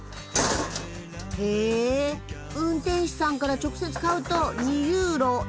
へ運転手さんから直接買うと２ユーロ。